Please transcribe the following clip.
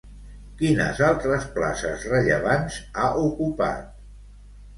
Quines altres places rellevants ha ocupat?